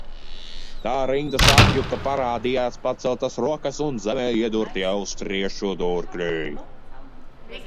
Tā rindas apjuka, parādījās paceltas rokas un zemē iedurti austriešu durkļi.